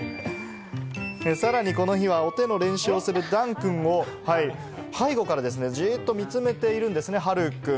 さらにこの日はお手の練習をするダンくんを背後からですねじっと見つめているんですね、はるくん。